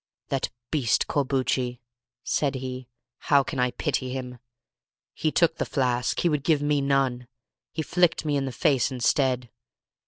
"That beast Corbucci!" said he—"how can I pity him? He took the flask; he would give me none; he flicked me in the face instead.